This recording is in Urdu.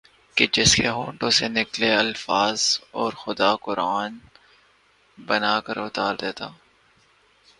کہ جس کے ہونٹوں سے نکلے الفاظ کو خدا قرآن بنا کر اتار دیتا